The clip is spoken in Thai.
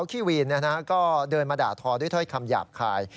ตื่๊ดตุ๊ดออกมาสิ